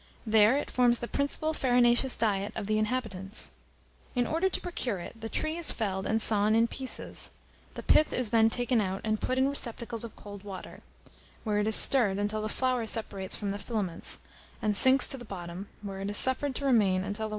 There it forms the principal farinaceous diet of the inhabitants. In order to procure it, the tree is felled and sawn in pieces. The pith is then taken out, and put in receptacles of cold water, where it is stirred until the flour separates from the filaments, and sinks to the bottom, where it is suffered to remain until the water is poured off, when it is taken out and spread on wicker frames to dry.